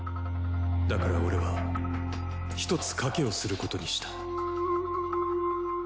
だから俺は１つ賭けをすることにした。